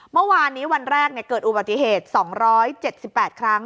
เมื่อวานนี้วันแรกเกิดอุบัติเหตุ๒๗๘ครั้ง